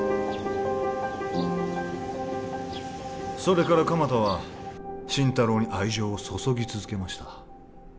それから鎌田は心太朗に愛情を注ぎ続けました